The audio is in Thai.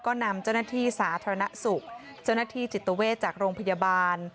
ก็นำเจ้าหน้าที่สาธารณสุขเจ้าหน้าที่จิตเวทจากโรงพยาบาล